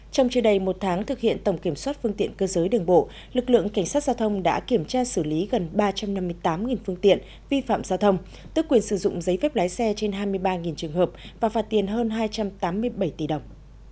trong chưa đầy một tháng thực hiện tổng kiểm soát phương tiện cơ giới đường bộ lực lượng cảnh sát giao thông đã kiểm tra xử lý gần ba trăm năm mươi tám phương tiện vi phạm giao thông tức quyền sử dụng giấy phép lái xe trên hai mươi ba trường hợp và phạt tiền hơn hai trăm tám mươi bảy tỷ đồng